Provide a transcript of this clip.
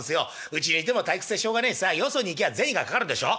うちにいても退屈でしょうがねえしさよそに行きゃあ銭がかかるでしょ。